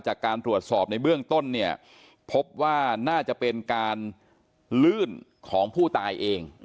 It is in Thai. จากการตรวจสอบในเบื้องต้นเนี่ยพบว่าน่าจะเป็นการลื่นของผู้ตายเอง